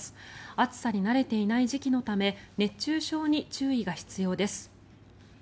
暑さに慣れていない時期のため熱中症に注意が必要です。